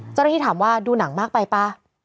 เจ้าหน้าที่ถามว่าดูหนังมากไปป่ะ